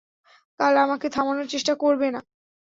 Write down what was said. কাল আমাকে থামানোর, চেষ্টা করবে না।